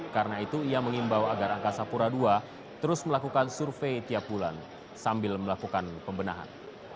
karena itu ia mengimbau agar angkasa pura ii terus melakukan survei tiap bulan sambil melakukan pembenahan